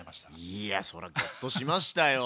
いやそりゃギョッとしましたよ。